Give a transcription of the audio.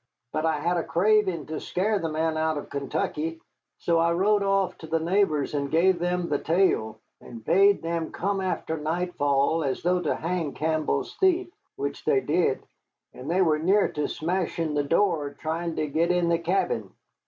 But I had a craving to scare the man out of Kentucky. So I rode off to the neighbors and gave them the tale, and bade them come after nightfall as though to hang Campbell's thief, which they did, and they were near to smashing the door trying to get in the cabin.